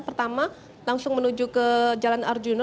pertama langsung menuju ke jalan arjuna